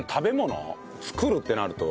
作るってなると？